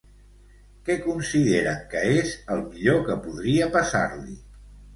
Què consideren que és el millor que podria passar-li?